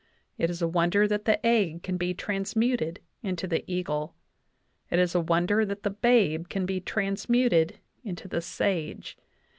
It is a wonder, that the egg can be transmuted into the eagle. It is a wonder that the babe can be transmuted into the sage.